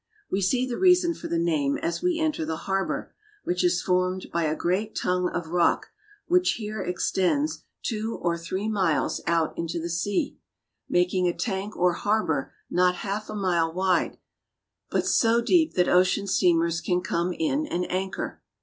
We see the reason for the name as we enter the harbor, which is formed by a great tongue of rock which here extends two or three 292 BRAZIL. miles out into the sea, making a tank or harbor not half a mile wide, but so deep that ocean steamers can come in and anchor.